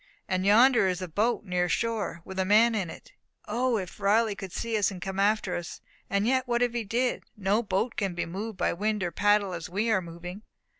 "And yonder is a boat, near shore, with a man in it. O, if Riley could see us, and come after us! And yet what if he did! No boat can be moved by wind or paddle as we are moving."